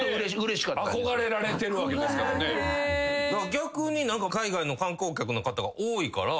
逆に海外の観光客の方が多いから。